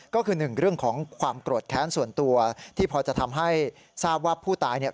ก็คือหนึ่งเรื่องของความโกรธแค้นส่วนตัวที่พอจะทำให้ทราบว่าผู้ตายเนี่ย